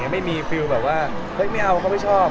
ไม่มีฟิวแบบว่าไม่เอาเขาไม่ชอบ